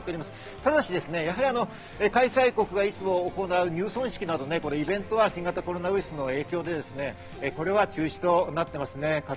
ただし開催国がいつも行う入村式など、イベントは新型コロナウイルスの影響でこれは中止となっています。